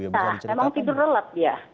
nah memang tidur relap dia